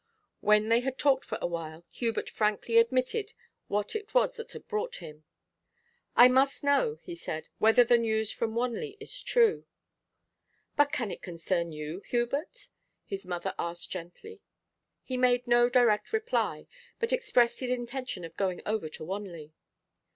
When they had talked for a while, Hubert frankly admitted what it was that had brought him. 'I must know,' he said, 'whether the news from Wanley is true' 'But can it concern you, Hubert?' his mother asked gently. He made no direct reply, but expressed his intention of going over to Wanley.